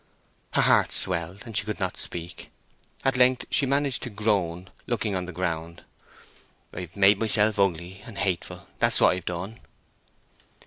Her heart swelled, and she could not speak. At length she managed to groan, looking on the ground, "I've made myself ugly—and hateful—that's what I've done!"